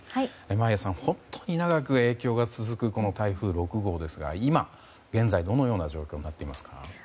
眞家さん、本当に長く影響が続く台風６号ですが今現在、どのような状況になっていますか。